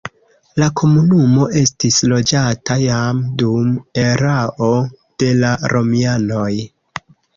La komunumo estis loĝata jam dum erao de la romianoj.